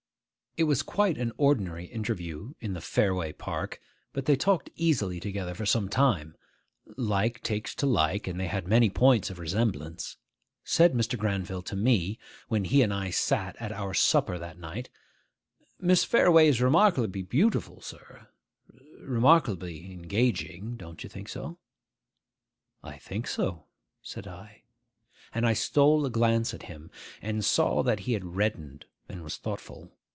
It was quite an ordinary interview in the Fareway Park but they talked easily together for some time: like takes to like, and they had many points of resemblance. Said Mr. Granville to me, when he and I sat at our supper that night, 'Miss Fareway is remarkably beautiful, sir, remarkably engaging. Don't you think so?' 'I think so,' said I. And I stole a glance at him, and saw that he had reddened and was thoughtful.